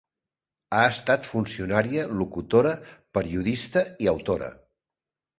Ha estat funcionària, locutora, periodista i autora.